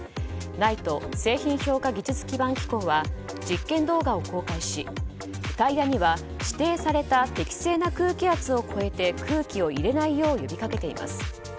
ＮＩＴＥ・製品評価技術基盤機構は実験動画を公開しタイヤには指定された適正な空気圧を超えて空気を入れないよう呼びかけています。